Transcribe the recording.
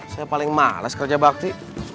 saya paling males kerja bakti